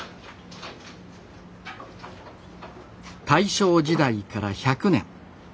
大正時代から１００年。